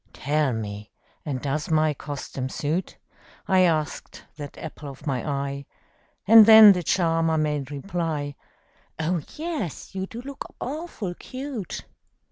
"Tell me and does my costume suit?" I asked that apple of my eye And then the charmer made reply, "Oh, yes, you do look awful cute!"